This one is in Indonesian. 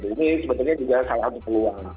ini sebetulnya juga salah satu peluang